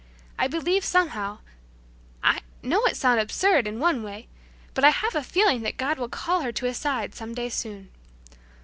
I believe somehow I know it sounds absurd in one way, but I have a feeling that God will call her to His side some day soon."